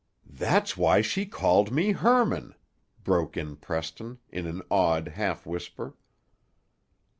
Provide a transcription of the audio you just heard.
"That's why she called me Hermann," broke in Preston, in an awed half whisper.